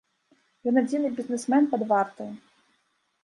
Ён адзіны бізнесмен пад вартай.